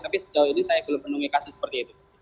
tapi sejauh ini saya belum penuhi kasus seperti itu